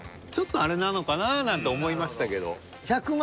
ちょっとあれなのかななんて思いましたけど。